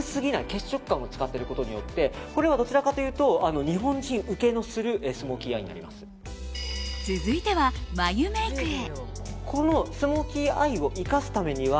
血色感も使ってることによってこれは、どちらかというと日本人受けのする続いては眉メイクへ。